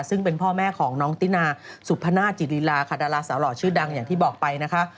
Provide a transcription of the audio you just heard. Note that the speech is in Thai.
ซึ่งเป็นพ่อแม่ของน้องตินาสุพนาจิริลาค่ะดาราสาวหล่อชื่อดังอย่างที่บอกไปนะคะ